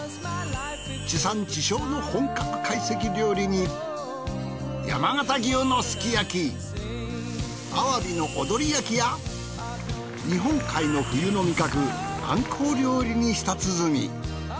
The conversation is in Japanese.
地産地消の本格懐石料理に山形牛のすき焼きアワビの踊り焼きや日本海の冬の味覚あんこう料理に舌つづみ。